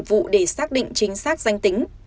vụ để xác định chính xác danh tính